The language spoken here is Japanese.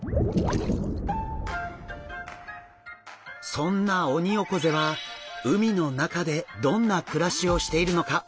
そんなオニオコゼは海の中でどんな暮らしをしているのか？